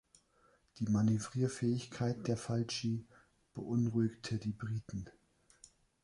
Die Manövrierfähigkeit der „Falchi“ beunruhigte die Briten.